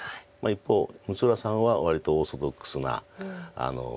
一方六浦さんは割とオーソドックスな棋風です。